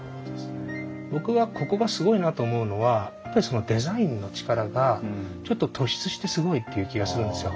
僕はここがすごいなと思うのはデザインの力がちょっと突出してすごいっていう気がするんですよ。